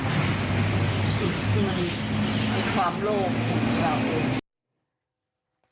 มีความโลภของเรา